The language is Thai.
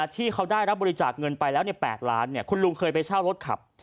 ที่เขาได้รับบริจาคเงินไปแล้ว๘ล้านคุณลุงเคยไปเช่ารถขับ